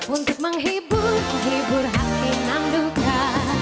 untuk menghibur hati namduka